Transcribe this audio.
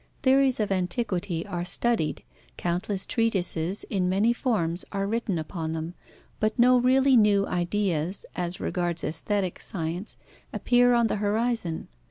Theories of antiquity are studied, countless treatises in many forms are written upon them, but no really new Ideas as regards aesthetic science appear on the horizon.